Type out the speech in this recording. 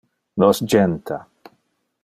Nos jenta.